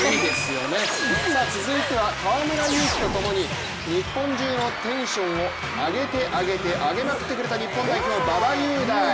続いては河村勇輝とともに日本中のテンションを上げて上げて上げまくってくれた日本代表・馬場雄大。